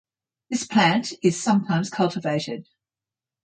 This plant is sometimes cultivated.